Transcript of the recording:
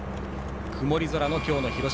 曇り空の、今日の広島。